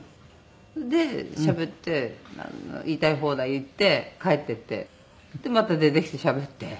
でしゃべって言いたい放題言って帰っていってまた出てきてしゃべって。